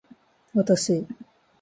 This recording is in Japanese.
私